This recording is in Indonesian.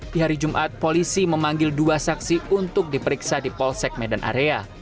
di hari jumat polisi memanggil dua saksi untuk diperiksa di polsek medan area